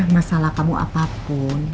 masalah kamu apapun